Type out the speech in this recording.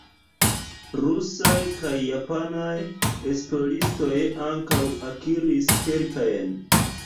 Rusaj kaj japanaj esploristoj ankaŭ akiris kelkajn.